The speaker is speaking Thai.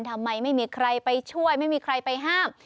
ทำไมไม่มีใครไปช่วยไม่มีใครไปห้าม